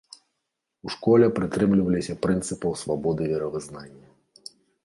У школе прытрымліваліся прынцыпаў свабоды веравызнання.